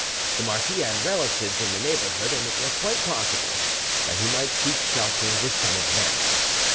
The marquis had relatives in the neighbourhood, and it was quite possible that he might seek shelter with some of them.